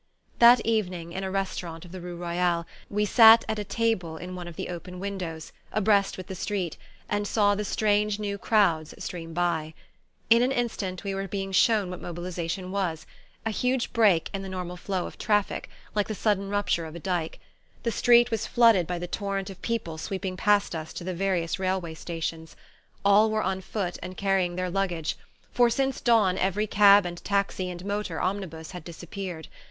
That evening, in a restaurant of the rue Royale, we sat at a table in one of the open windows, abreast with the street, and saw the strange new crowds stream by. In an instant we were being shown what mobilization was a huge break in the normal flow of traffic, like the sudden rupture of a dyke. The street was flooded by the torrent of people sweeping past us to the various railway stations. All were on foot, and carrying their luggage; for since dawn every cab and taxi and motor omnibus had disappeared.